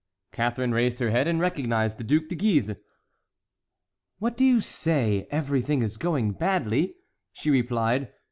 Catharine raised her head and recognized the Duc de Guise. "Why do you say 'Everything is going badly'?" she replied.